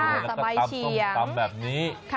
และตำซมตำแบบนี้